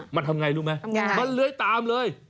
มันทำไงรู้ไหม